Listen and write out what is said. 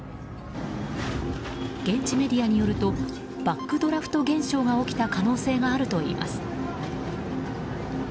現地メディアによるとバックドラフト現象が起きた可能性があるといいます。